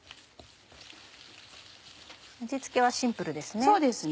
味付けはシンプルですね。